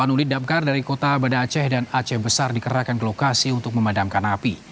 delapan unit damkar dari kota banda aceh dan aceh besar dikerahkan ke lokasi untuk memadamkan api